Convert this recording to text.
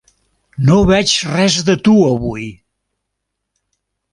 No veig res de tu avui.